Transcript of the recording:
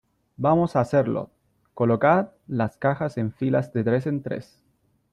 vamos a hacerlo . colocad las cajas en filas de tres en tres .